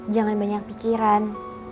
jangan banyak pikiran